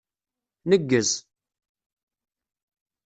Neggez.